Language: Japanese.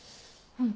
うん。